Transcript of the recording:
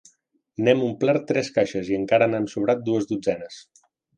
N'hem omplert tres caixes i encara n'han sobrat dues dotzenes.